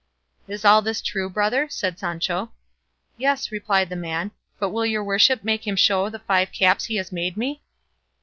"Is all this true, brother?" said Sancho. "Yes," replied the man; "but will your worship make him show the five caps he has made me?"